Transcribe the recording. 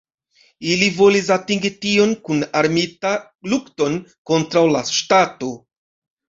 Ili volis atingi tion kun armita lukton kontraŭ la ŝtato.